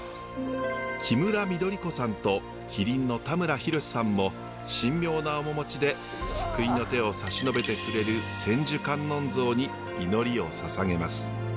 キムラ緑子さんと麒麟の田村裕さんも神妙な面持ちで救いの手を差し伸べてくれる千手観音像に祈りをささげます。